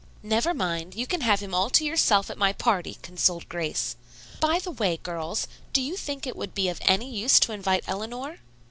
"Never mind, you can have him all to yourself at my party," consoled Grace. "By the way, girls, do you think it would be of any use to invite Eleanor?"